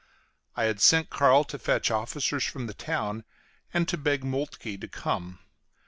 I had sent Carl to fetch officers from the town and to beg Moltke to come.